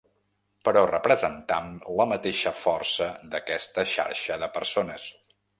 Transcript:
Però representam la mateixa força d’aquesta xarxa de persones.